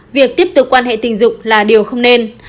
việc tiếp tục quan hệ tình dục là điều không nên